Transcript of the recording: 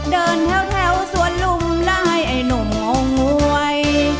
เดินแถวสวนลุมลายไอ้หนุ่มงงวย